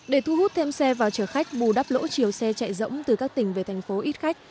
để thu hút thêm xe vào chở khách bù đắp lỗ chiều xe chạy rỗng từ các tỉnh về thành phố ít khách